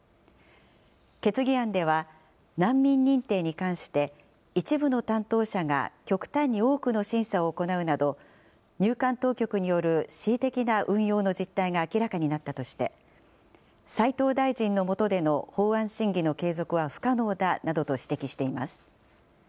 決議案では、難民認定に関して、一部の担当者が極端に多くの審査を行うなど、入管当局による恣意的な運用の実態が明らかになったとして、齋藤大臣の下での法案審議の継続は不可能だなどと指摘しています。